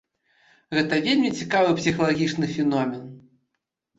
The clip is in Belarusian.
Гэта вельмі цікавы псіхалагічны феномен.